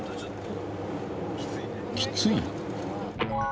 「きついね」？